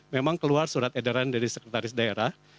memang keluar surat edaran dari sekretaris daerah